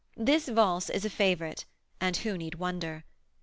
This valse is a favorite, and who need wonder?